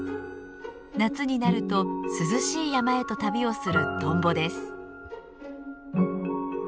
夏になると涼しい山へと旅をするトンボです。